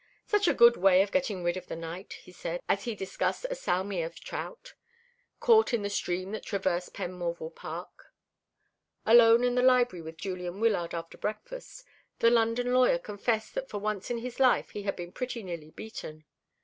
"Such a good way of getting rid of the night," he said, as he discussed a salmi of trout, caught in the stream that traversed Penmorval Park. Alone in the library with Julian Wyllard after breakfast, the London lawyer confessed that for once in his life he had been pretty nearly beaten.